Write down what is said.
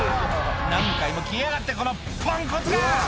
「何回も消えやがってこのポンコツが！」